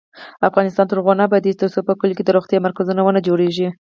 افغانستان تر هغو نه ابادیږي، ترڅو په کلیو کې د روغتیا مرکزونه ونه جوړیږي.